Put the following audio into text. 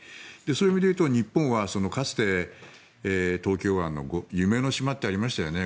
それでいうと日本はかつて東京湾の夢の島ってありましたよね。